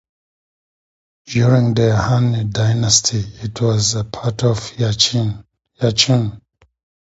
During the Han dynasty, it was part of Yichun.